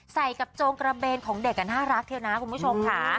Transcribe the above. ใส่กับโจงกระเบนของเด็กน่ารักทีเดียวนะคุณผู้ชมค่ะ